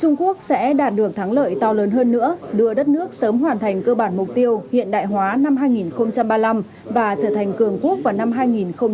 trung quốc sẽ đạt được thắng lợi to lớn hơn nữa đưa đất nước sớm hoàn thành cơ bản mục tiêu hiện đại hóa năm hai nghìn ba mươi năm và trở thành cường quốc vào năm hai nghìn bốn mươi năm